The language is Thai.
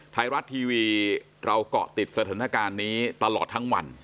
ไทยรัฐทีวีเราเกาะติดสถานการณ์นี้ตลอดทั้งวัน